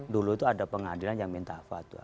dulu itu ada pengadilan yang minta fatwa